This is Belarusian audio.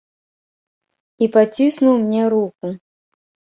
І паціснуў мне руку.